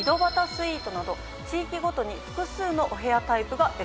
スイートなど地域ごとに複数のお部屋タイプが選べます。